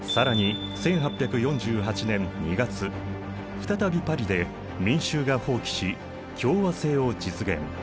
再びパリで民衆が蜂起し共和政を実現。